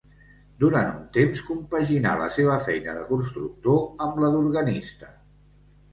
Durant un temps, compaginà la seva feina de constructor amb la d'organista.